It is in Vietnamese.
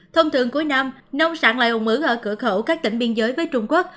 thông thường cuối năm nông sản lại ủn ứ ở cửa khẩu các tỉnh biên giới với trung quốc